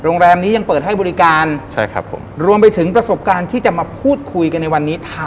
โรงแรมนี้ยังเปิดให้บริการใช่ครับผมรวมไปถึงประสบการณ์ที่จะมาพูดคุยกันในวันนี้